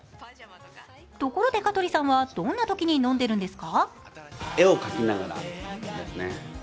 ところで香取さんはどんなときに飲んでるんですか？